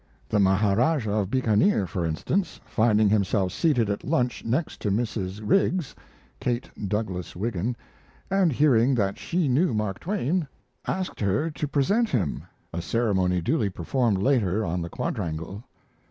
The Maharajah of Bikanir, for instance, finding himself seated at lunch next to Mrs. Riggs (Kate Douglas Wiggin), and hearing that she knew Mark Twain, asked her to present him a ceremony duly performed later on the quadrangle.